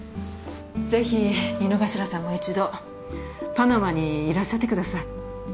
ぜひ井之頭さんも一度パナマにいらっしゃってください。